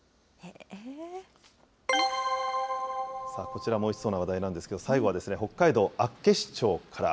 こちらもおいしそうな話題なんですけど、最後は、北海道厚岸町から。